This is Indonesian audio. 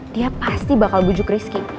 dia pasti bakal bujuk rizky